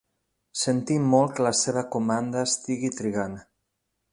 Sentim molt que la seva comanda estigui trigant.